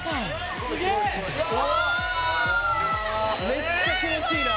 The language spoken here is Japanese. めっちゃ気持ちいいな